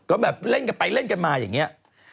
ก็แบบเล่นกันไปเล่นกันมาอย่างนี้